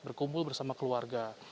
berkumpul bersama keluarga